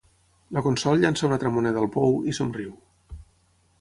La Consol llença una altra moneda al pou i somriu.